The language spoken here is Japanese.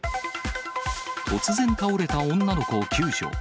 突然倒れた女の子を救助。